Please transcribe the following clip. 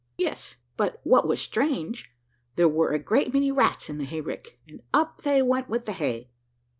"Yes, but what was strange, there were a great many rats in the hayrick, and up they went with the hay.